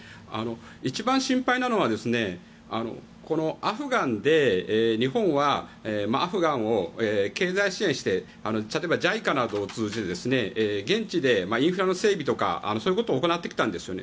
一番心配なのはこのアフガンで日本はアフガンを経済支援して例えばＪＩＣＡなどを通じて現地でインフラの整備とかそういったことを行ってきたんですよね。